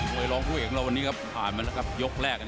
โดยร้องผู้ใหญ่ของเราวันนี้ครับผ่านมาแล้วกับยกแรก